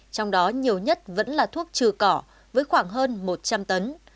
trong đó nhiều nhất vẫn là thuốc trừ cỏ với khoảng hơn một trăm linh tấn